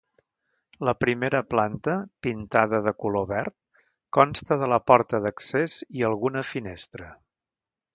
La primera planta, pintada de color verd, consta de la porta d'accés i alguna finestra.